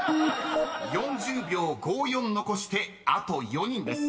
［４０秒５４残してあと４人です］